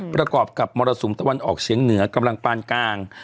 ประกอบกับมรสุมตะวันออกเฉียงเหนือกำลังปานกลาง